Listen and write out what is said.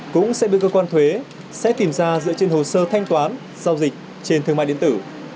cũng sẽ bị cơ quan thuế sẽ tìm ra dựa trên hồ sơ thanh toán giao dịch trên thương mại điện tử